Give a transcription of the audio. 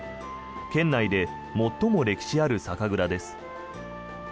県内で最も歴史ある酒蔵です。